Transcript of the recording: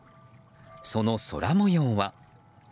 その空模様は。